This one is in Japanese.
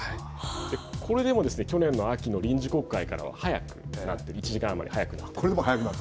これでも去年の秋の臨時国会からは１時間余り早くなっている。